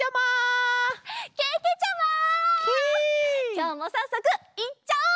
きょうもさっそくいっちゃおう！